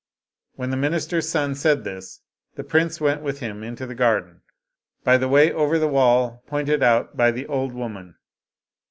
When the minister's son said this, the prince went with him into the garden, by the way over the wall pointed out by the old woman.